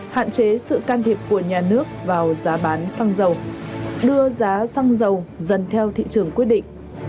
hạn chế sự can thiệp của nhà nước vào giá bán xăng dầu đưa giá xăng dầu dần theo thị trường quyết định